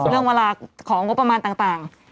เรื่องเวลาของงบประมาณต่าง